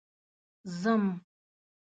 ځم